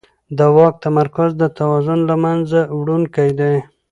د واک تمرکز د توازن له منځه وړونکی دی